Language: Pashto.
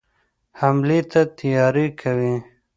حملې ته تیاری کوي.